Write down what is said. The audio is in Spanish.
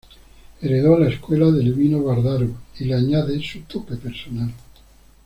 Heredó la escuela de Elvino Vardaro y le añadió su toque personal.